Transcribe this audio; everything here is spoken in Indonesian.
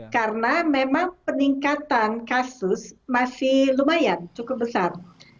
karena memang peningkatan kasus masih lumayan cukup besar